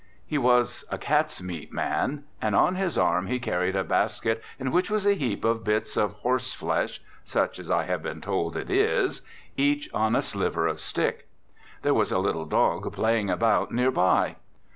He was a cats' meat man. And on his arm he carried a basket in which was a heap of bits of horse flesh (such I have been told it is), each on a sliver of stick. There was a little dog playing about near by.